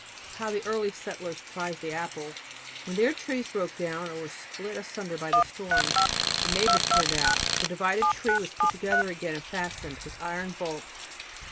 How the early settlers prized the apple! When their trees broke down or were split asunder by the storms, the neighbors turned out, the divided tree was put together again and fastened with iron bolts.